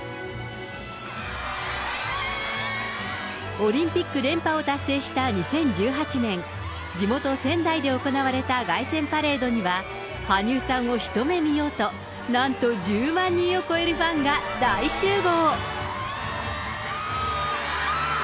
オリンピック連覇を達成した２０１８年、地元、仙台で行われた凱旋パレードには、羽生さんを一目見ようと、なんと１０万人を超えるファンが大集合。